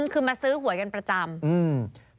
คือมาซื้อหวยกันประจำอืม